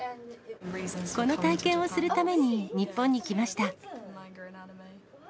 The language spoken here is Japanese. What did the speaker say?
この体験をするために日本に来ました。